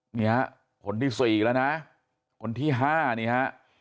คือคนที่สี่แล้วนะคนที่ห้าฮะ